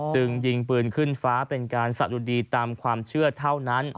จึงยิงปืนขึ้นฟ้าเป็นการสะดุดีตามความเชื่อเท่านั้น